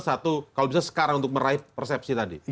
satu kalau bisa sekarang untuk meraih persepsi tadi